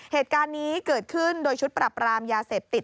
เหตุการณ์นี้เกิดขึ้นโดยชุดปรับรามยาเสพติด